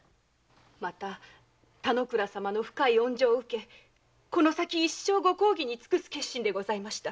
また田之倉様の恩情を受け一生ご公儀に尽くす決心を致しました。